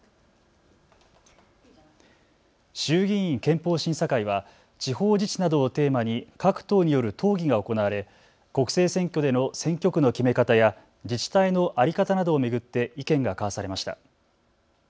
衆議院憲法審査会は地方自治などをテーマに各党による討議が行われ国政選挙での選挙区の決め方や自治体の在り方などを巡って意見が交わされました。